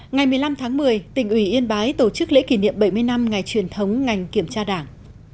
ngày một mươi năm tháng một mươi tỉnh ủy yên bái tổ chức lễ kỷ niệm bảy mươi năm ngày truyền thống ngành kiểm tra đảng